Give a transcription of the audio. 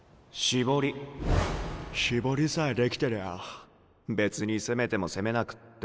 絞りさえできてりゃ別に攻めても攻めなくってもお好きに。